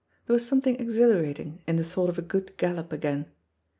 There was something exhilarating in the thought of a good gallop again.